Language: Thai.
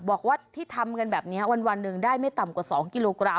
บอกว่าที่ทำกันแบบนี้วันหนึ่งได้ไม่ต่ำกว่า๒กิโลกรัม